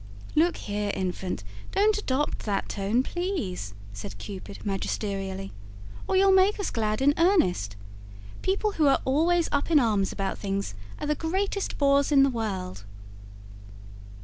"Look here, Infant, don't adopt that tone, please," said Cupid magisterially. "Or you'll make us glad in earnest. People who are always up in arms about things are the greatest bores in the world."